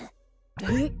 えっ！